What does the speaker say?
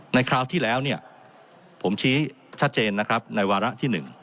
คราวที่แล้วเนี่ยผมชี้ชัดเจนนะครับในวาระที่๑